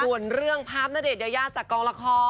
ส่วนเรื่องภาพณเดชนยายาจากกองละคร